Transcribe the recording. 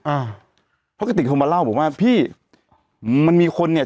อ่าเพราะกระติกโทรมาเล่าบอกว่าพี่มันมีคนเนี่ย